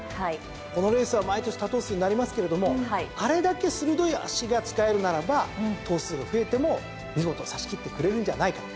このレースは毎年多頭数になりますけれどもあれだけ鋭い脚が使えるならば頭数が増えても見事差し切ってくれるんじゃないかと。